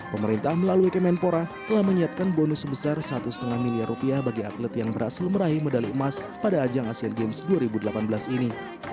pemerintah melalui kemenpora telah menyiapkan bonus sebesar satu lima miliar rupiah bagi atlet yang berhasil meraih medali emas pada ajang asean games dua ribu delapan belas ini